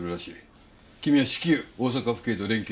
君は至急大阪府警と連携して。